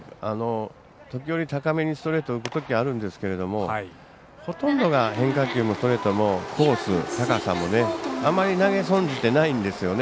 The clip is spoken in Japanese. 時折高めにストレートが浮くときがあるんですが、ほとんどストレートも変化球もあまり投げ損じてないんですよね。